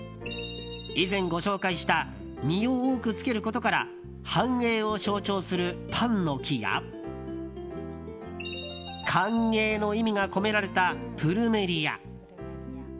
以前ご紹介した実を多くつけることから繁栄を象徴するパンノキや歓迎の意味が込められたプルメリア。